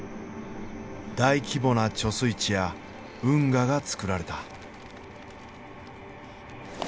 大規模な貯水池や運河が造られた。